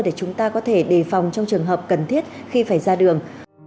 để chúng ta có thể đề phòng trong trường hợp cần thiết khi phải ra đường